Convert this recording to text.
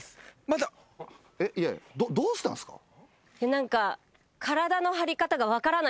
何か。